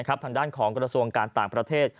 ทางด้านของกระทรวงการต่างประเทศ